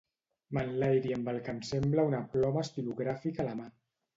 M'enlairi amb el que em sembla una ploma estilogràfica a la mà.